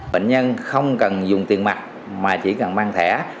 bệnh nhân không cần dùng tiền mặt mà chỉ cần mang thẻ